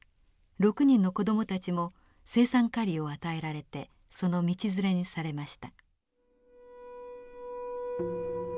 ６人の子どもたちも青酸カリを与えられてその道連れにされました。